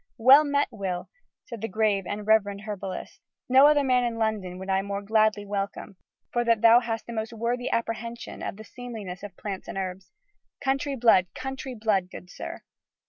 "Well met, Will!" said the grave and reverend herbalist, "no other man in London would I more gladly welcome: for that thou hast a most worthy apprehension of the seemliness of plants and herbs. Country blood, country blood, good sir!